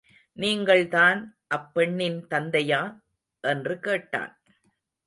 நீங்கள்தான் அப் பெண்ணின் தந்தையா? என்று கேட்டான்.